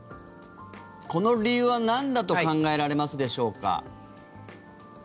この理由はなんだと考えられますでしょうか？